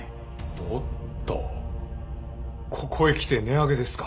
おっとここへきて値上げですか？